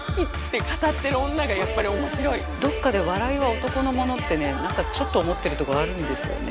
どっかで笑いは男のものってね何かちょっと思ってるところあるんですよね。